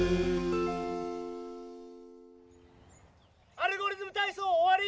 「アルゴリズムたいそう」おわり！